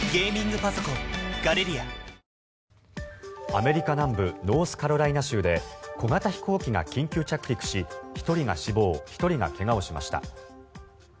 アメリカ南部ノースカロライナ州で小型飛行機が緊急着陸し１人が死亡１人が怪我をしました。